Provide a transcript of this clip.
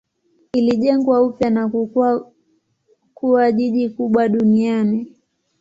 Ilijengwa upya na kukua kuwa jiji kubwa duniani.